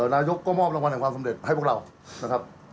นายกก็มอบรางวัลแห่งความสำเร็จให้พวกเรานะครับ